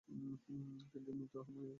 তিনটা মৃত ময়ূর খুঁজে পেলাম।